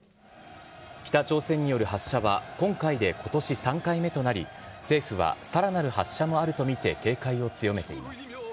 北朝鮮による発射は今回でことし３回目となり、政府はさらなる発射もあると見て、警戒を強めています。